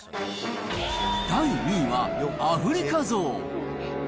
第２位はアフリカゾウ。